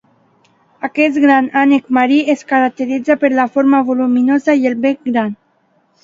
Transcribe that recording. Aquest gran ànec marí es caracteritza per la forma voluminosa i el bec gran.